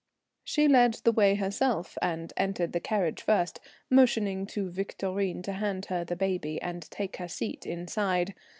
She led the way herself and entered the carriage first, motioning to Victorine to hand her the baby and take her seat inside.